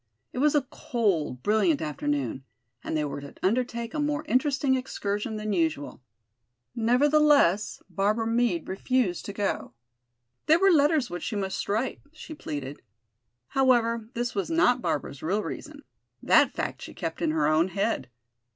It was a cold, brilliant afternoon, and they were to undertake a more interesting excursion than usual. Nevertheless, Barbara Meade refused to go. There were letters which she must write, she pleaded. However, this was not Barbara's real reason: that fact she kept in her own head.